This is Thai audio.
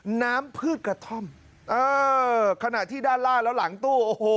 พืชกระท่อมเออขณะที่ด้านล่างแล้วหลังตู้โอ้โห